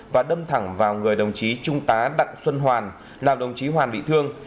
và đâm thẳng vào người đồng chí trung tá đặng xuân hoàn làm đồng chí hoàn bị thương